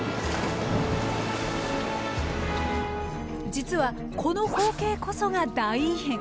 実はこの光景こそが大異変。